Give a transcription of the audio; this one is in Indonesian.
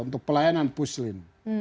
untuk pelayanan puslin